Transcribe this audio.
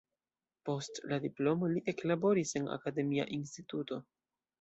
Post la diplomo li eklaboris en akademia instituto.